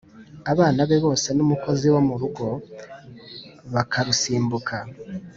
abana be bose n'umukozi wo mu rugo bakarusimbuka